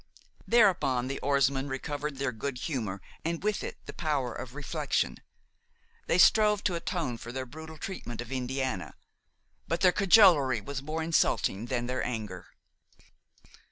Thereupon, the oarsmen recovered their good humor and with it the power of reflection. They strove to atone for their brutal treatment of Indiana; but their cajolery was more insulting than their anger.